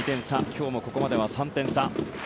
今日もここまでは３点差。